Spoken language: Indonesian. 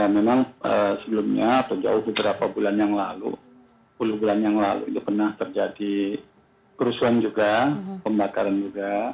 memang sebelumnya atau jauh beberapa bulan yang lalu sepuluh bulan yang lalu itu pernah terjadi kerusuhan juga pembakaran juga